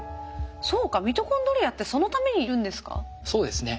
そうかミトコンドリアってそのためにいるんですか？